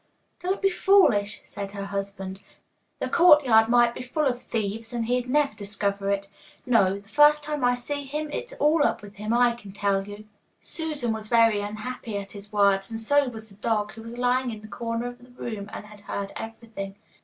'Don't be foolish,' said her husband. 'The courtyard might be full of thieves and he'd never discover it. No, the first time I see him, it's all up with him, I can tell you.' Susan was very unhappy at his words, and so was the dog, who was lying in the corner of the room and had heard everything.